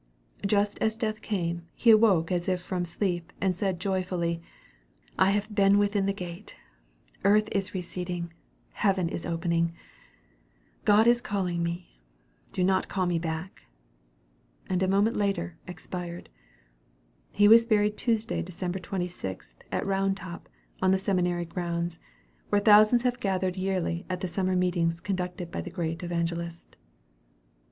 Just as death came he awoke as if from sleep and said joyfully, "I have been within the gate; earth is receding; heaven is opening; God is calling me; do not call me back," and a moment later expired. He was buried Tuesday, December 26, at Round Top, on the seminary grounds, where thousands have gathered yearly at the summer meetings conducted by the great evangelist. ABRAHAM LINCOLN.